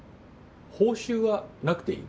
報酬は無くていい。